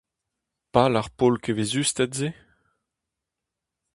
Pal ar pol kevezusted-se ?